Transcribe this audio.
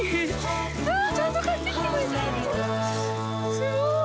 すごい！